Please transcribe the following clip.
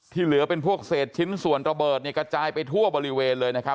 เหลือเป็นพวกเศษชิ้นส่วนระเบิดเนี่ยกระจายไปทั่วบริเวณเลยนะครับ